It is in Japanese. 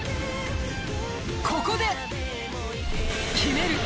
ここで決める。